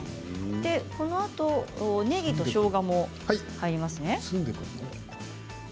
このあとねぎとしょうがも入りますね。